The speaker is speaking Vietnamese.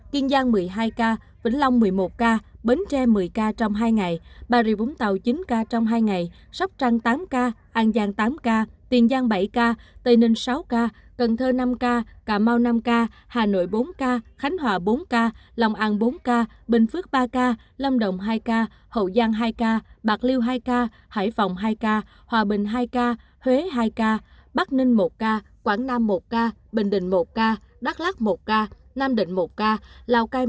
kiên giang một mươi hai ca vĩnh long một mươi một ca bến tre một mươi ca trong hai ngày bà rịa vũng tàu chín ca trong hai ngày sóc trăng tám ca an giang tám ca tiền giang bảy ca tây ninh sáu ca cần thơ năm ca cà mau năm ca hà nội bốn ca khánh hòa bốn ca long an bốn ca bình phước ba ca lâm động hai ca hậu giang hai ca bạc liêu hai ca hải phòng hai ca hòa bình hai ca huế hai ca bắc ninh một ca quảng nam một ca bình định một ca đắk lát một ca nam định một ca tây ninh hai ca tây ninh hai ca tây ninh hai ca tây ninh hai ca tây ninh hai ca